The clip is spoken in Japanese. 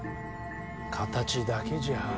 形だけじゃ。